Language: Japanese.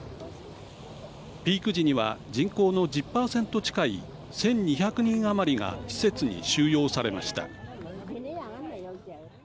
ピーク時には人口の１０％近い１２００人余りが施設に収容されました。